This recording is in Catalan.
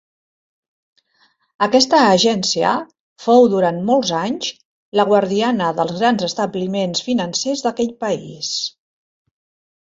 Aquesta agència fou durant molts anys la guardiana dels grans establiments financers d'aquell país.